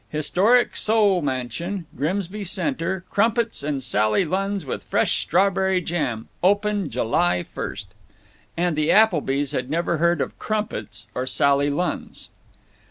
HISTORIC SOULE MANSION, GRIMSBY CENTER. CRUMPETS AND SALLY LUNNS WITH FRESH STRAWBERRY JAM. OPEN JULY 1. And the Applebys had never heard of crumpets or Sally Lunns.